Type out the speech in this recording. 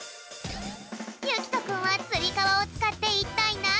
ゆきとくんはつりかわをつかっていったいなにをするのか？